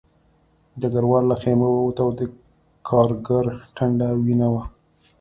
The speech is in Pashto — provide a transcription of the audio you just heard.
ډګروال له خیمې ووت او د کارګر ټنډه وینه وه